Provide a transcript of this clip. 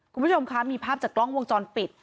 คุณผู้ชมคะมีภาพจากกล้องวงจรปิด